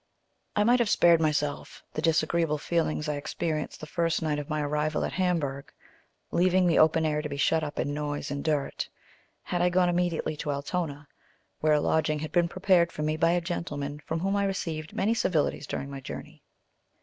I might have spared myself the disagreeable feelings I experienced the first night of my arrival at Hamburg, leaving the open air to be shut up in noise and dirt, had I gone immediately to Altona, where a lodging had been prepared for me by a gentleman from whom I received many civilities during my journey.